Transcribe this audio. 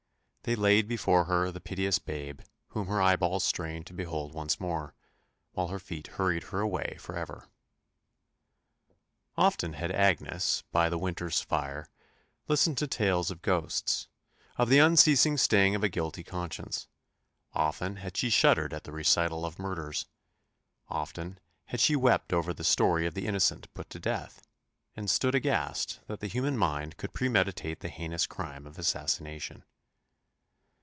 They laid before her the piteous babe whom her eyeballs strained to behold once more, while her feet hurried her away for ever. Often had Agnes, by the winter's fire, listened to tales of ghosts of the unceasing sting of a guilty conscience; often had she shuddered at the recital of murders; often had she wept over the story of the innocent put to death, and stood aghast that the human mind could premeditate the heinous crime of assassination.